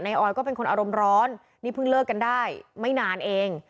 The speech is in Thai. ออยก็เป็นคนอารมณ์ร้อนนี่เพิ่งเลิกกันได้ไม่นานเอง